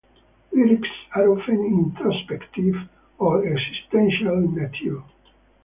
Lyrics are often introspective or existential in nature.